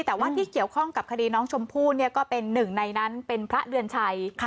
แต่ว่าที่เกี่ยวข้องกับคดีน้องชมพู่ก็เป็นหนึ่งในนั้นเป็นพระเดือนชัย